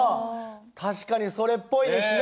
確かにそれっぽいですね。